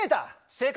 正解。